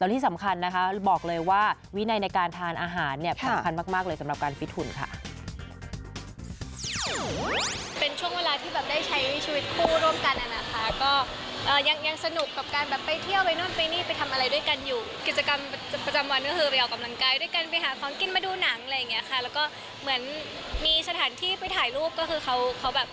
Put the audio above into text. แล้วที่สำคัญนะบอกเลยว่าวินัยการทานอาหารสำคัญมากเลยสำหรับการฟิดถุนค่ะ